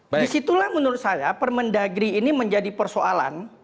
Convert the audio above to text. disitulah menurut saya permendagri ini menjadi persoalan